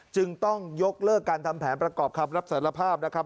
จึงต้องยกเลิกการทำแผนประกอบคำรับสารภาพนะครับ